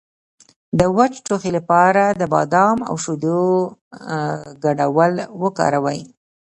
د وچ ټوخي لپاره د بادام او شیدو ګډول وکاروئ